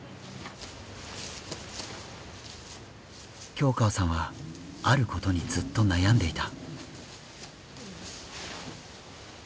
京河さんはあることにずっと悩んでいた。